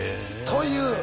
という。